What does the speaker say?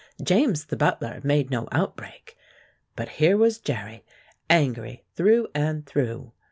James the butler made no out break, but here was Jerry angry through and through.